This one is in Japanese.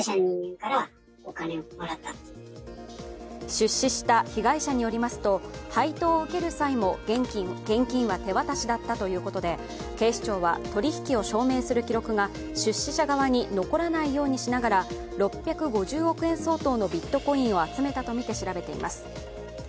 出資した被害者によりますと、配当を受ける際も現金は手渡しだったということで、警視庁は取引を証明する記録が、出資者側に残らないようにしながら６５０億円相当のビットコインを集めたとみて調べています。